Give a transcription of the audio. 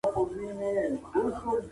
هغه په خپل نامې او تېر عمر سره مشهور سو.